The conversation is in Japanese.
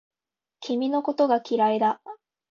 君のことが嫌いだ